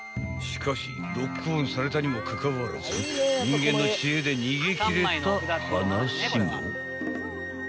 ［しかしロックオンされたにもかかわらず人間の知恵で逃げ切れた話も］